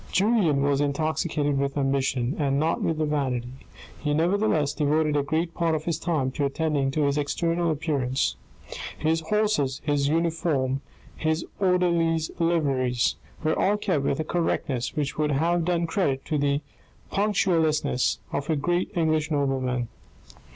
Julien was intoxicated with ambition, and not with vanity He nevertheless devoted a great part of his time to attending to his external appearance. His horses, his uniform, his order lies' liveries, were all kept with a correctness which would have done credit to the punctiliousness of a great English nobleman.